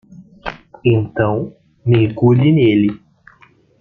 Então, mergulhe nele.